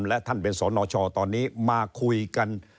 และท่านเป็นสนชตอนนี้มาคุยกัน